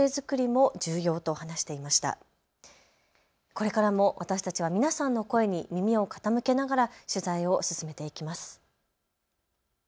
これからも私たちは皆さんの声に耳を傾けながら取材を進めていきます。